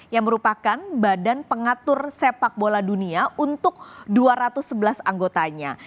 yang merupakan badan pengatur sepak bola dunia untuk dua ratus sebelas anggotanya